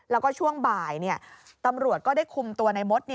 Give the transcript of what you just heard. แล้วก็ช่วงบ่ายตำรวจก็ได้คุมตัวในมด